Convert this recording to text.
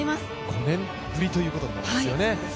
５年ぶりということになりますよね。